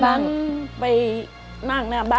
สวัสดีครับ